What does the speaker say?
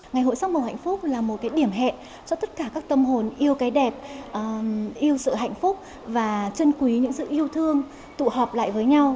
ngày hội sắc màu hạnh phúc là một cái điểm hẹn cho tất cả các tâm hồn yêu cái đẹp yêu sự hạnh phúc và chân quý những sự yêu thương tụ họp lại với nhau